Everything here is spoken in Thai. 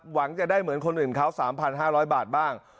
หวังจะได้เหมือนคนอื่นเขา๓๕๐๐บาทบ้าง